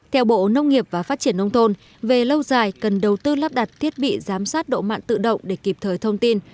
theo bộ nông nghiệp và phát triển nông thôn về lâu dài cần đầu tư lắp đặt thiết bị giám sát độ mặn tự động để kịp thời thông tin